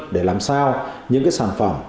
để làm sao những sản phẩm